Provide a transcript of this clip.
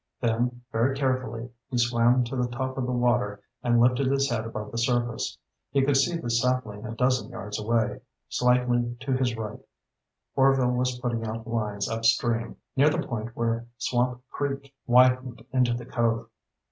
Then, very carefully, he swam to the top of the water and lifted his head above the surface. He could see the sapling a dozen yards away, slightly to his right. Orvil was putting out lines upstream, near the point where Swamp Creek widened into the cove.